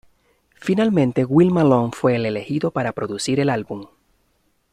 Finalmente, Will Malone fue el elegido para producir el álbum.